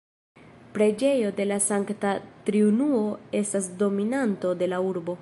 Preĝejo de la Sankta Triunuo estas dominanto de la urbo.